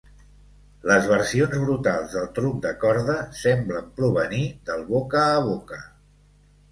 Les versions brutals del truc de corda semblen provenir del boca a boca.